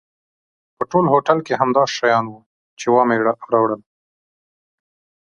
په ټول هوټل کې همدا شیان و چې مې راوړل.